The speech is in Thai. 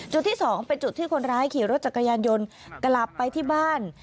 ที่๒เป็นจุดที่คนร้ายขี่รถจักรยานยนต์กลับไปที่บ้าน